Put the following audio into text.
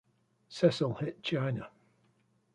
Cecil hit China.